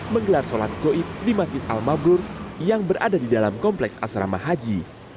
menggelar sholat goib di masjid al mabrur yang berada di dalam kompleks asrama haji